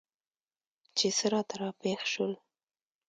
چې څه راته راپېښ شول؟